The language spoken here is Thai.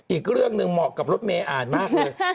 อีกเรื่องหนึ่งเหมาะกับรถเมย์อ่านมากเลย